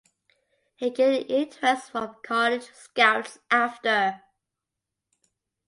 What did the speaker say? He gained interest from college scouts after.